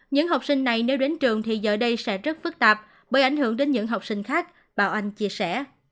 những học sinh này nếu đến trường thì giờ đây sẽ rất phức tạp bởi ảnh hưởng đến những học sinh khác bà anh chia sẻ